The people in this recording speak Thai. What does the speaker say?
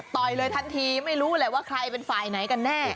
เลยทันทีไม่รู้แหละว่าใครเป็นฝ่ายไหนกันแน่